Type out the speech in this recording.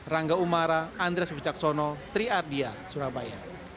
rangga umara andres pecaksono triardia surabaya